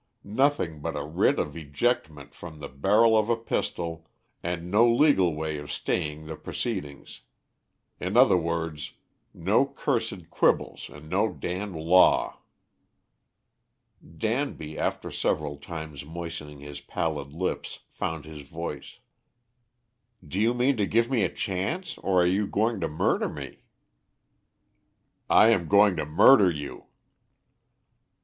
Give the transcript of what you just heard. Nothing but a writ of ejectment from the barrel of a pistol and no legal way of staying the proceedings. In other words, no cursed quibbles and no damned law." Danby, after several times moistening his pallid lips, found his voice. "Do you mean to give me a chance, or are you going to murder me?" "I am going to murder you."